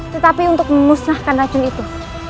tetapi untuk urang racun cah antara mereka